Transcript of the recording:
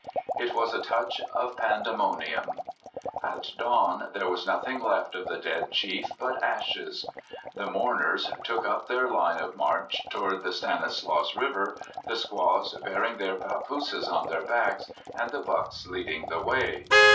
It was a touch of Pandemonium. At dawn there was noth ing left of the dead chief but ashes. The mourn ers took up their line of march toward the Stanis laus River, the squaws bearing their papooses on their backs, the " bucks " leading the way.